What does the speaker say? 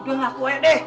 udah ngakuin deh